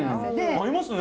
合いますね！